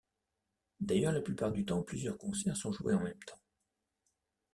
D'ailleurs, la plupart du temps, plusieurs concerts sont joués en même temps.